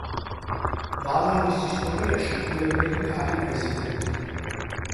მალავის ისტორიაში პირველი ქალი პრეზიდენტი.